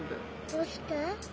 どうして？